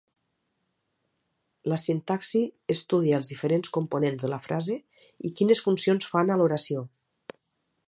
La sintaxi estudia els diferents components de la frase i quines funcions fan a l'oració.